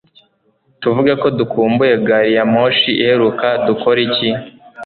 Tuvuge ko dukumbuye gari ya moshi iheruka dukore iki